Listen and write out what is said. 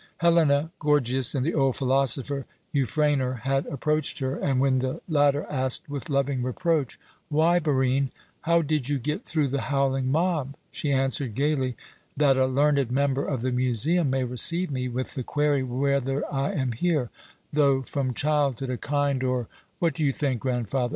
Helena, Gorgias, and the old philosopher Euphranor, had approached her, and when the latter asked with loving reproach, "Why, Barine, how did you get through the howling mob?" she answered gaily: "That a learned member of the Museum may receive me with the query whether I am here, though from childhood a kind or what do you think, grandfather?